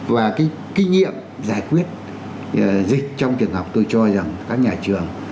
và cái kinh nghiệm giải quyết dịch trong trường học tôi cho rằng các nhà trường